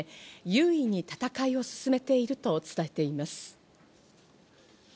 優位に戦いを進めていると伝えています。